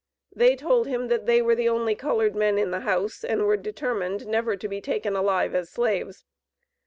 They told him that they were the only colored men in the house, and were determined never to be taken alive as slaves.